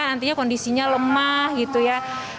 nantinya kondisinya lemah gitu ya